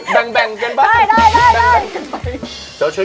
แบงกันไป